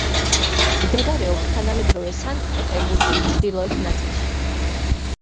მდებარეობს თანამედროვე სანქტ-პეტერბურგის ჩრდილოეთ ნაწილში.